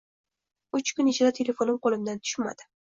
Uch kun ichida telefonim qoʻlimdan tushmadi